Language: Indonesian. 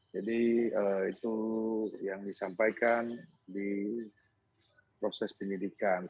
jadi itu yang disampaikan di proses penyelidikan